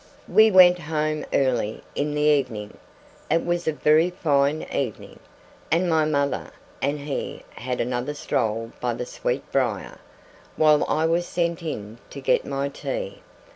We went home early in the evening. It was a very fine evening, and my mother and he had another stroll by the sweetbriar, while I was sent in to get my tea.